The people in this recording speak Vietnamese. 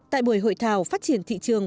tại buổi hội thảo phát triển thị trường